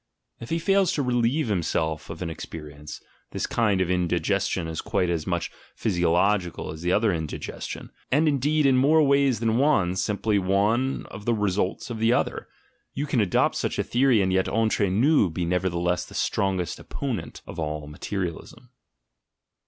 If he fails to "relieve himself" of an experience, this kind of indigestion is quite as much physiological as the other indigestion — and indeed, in more ways than one, simply one of the results 1 38 THE GENEALOGY OF MORALS of the other. You can adopt such a theory, and yet entre nous be nevertheless the strongest opponent of all materialism.